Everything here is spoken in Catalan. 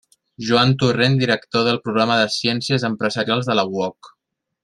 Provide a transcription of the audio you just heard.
Joan Torrent, director del programa de Ciències Empresarials de la UOC.